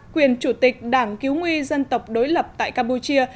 quyền chủ tịch đảng cứu nguy dân tộc đối lập tại campuchia